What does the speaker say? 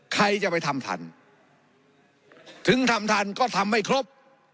ใครจะไปทำทันถึงทำทันก็ทำไม่ครบ